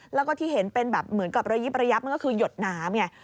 แล้วก็ที่เห็นเป็นแบบเหมือนกับระยิบระยับมันก็คือหยดน้ำไง